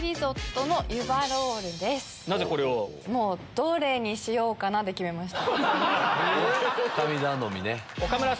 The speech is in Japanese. どれにしようかな？で決めました。